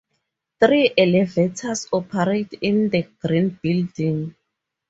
Three elevators operate in the Green Building.